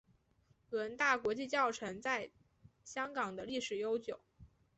伦大国际课程在香港的历史悠久。